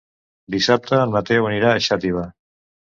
Dissabte en Mateu anirà a Xàtiva.